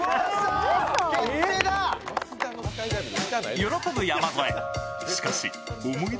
喜ぶ山添。